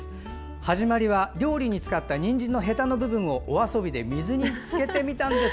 始まりは料理に使ったにんじんのへたの部分をお遊びで水につけてみたんです。